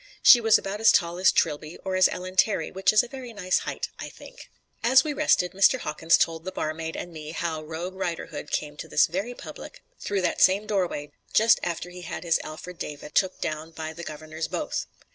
She was about as tall as Trilby or as Ellen Terry, which is a very nice height, I think. As we rested, Mr. Hawkins told the barmaid and me how Rogue Riderhood came to this very public, through that same doorway, just after he had his Alfred David took down by the Governors Both.